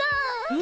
え？